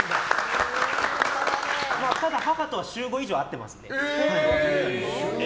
ただ、母とは週５以上会ってますね。